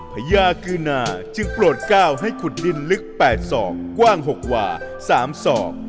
พญากือนาจึงโปรดก้าวให้ขุดดินลึก๘ศอกกว้าง๖กว่า๓ศอก